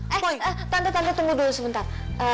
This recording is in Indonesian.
eh tante tante tunggu dulu sebentar